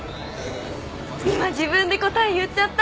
今自分で答え言っちゃった！